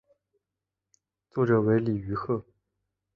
作者为李愚赫。